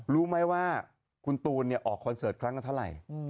รู้ไหมว่าคุณตูนออกคอนเสิร์ตครั้งละเท่าไหร่